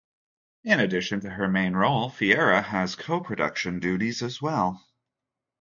In addition to her main role, Ferrera has co-production duties as well.